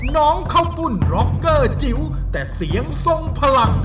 น้องข้าวปุ้นร็อกเกอร์จิ๋วแต่เสียงทรงพลัง